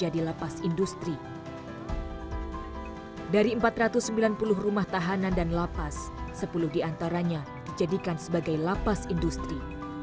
dari empat ratus sembilan puluh rumah tahanan dan lapas sepuluh diantaranya dijadikan sebagai lapas industri